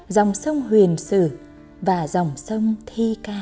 dòng sông huyền sự và dòng sông thi ca